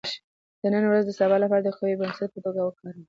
• د نن ورځ د سبا لپاره د قوي بنسټ په توګه وکاروه.